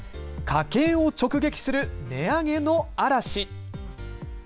家計を直撃する値上げの嵐。